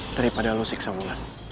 daripada lo siksa ulan